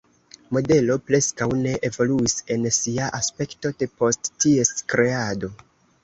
Modelo preskaŭ ne evoluis en sia aspekto depost ties kreado.